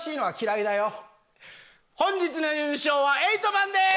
本日の優勝はエイト・マンです！